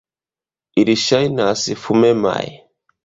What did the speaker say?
Ili ŝajnas fumemaj.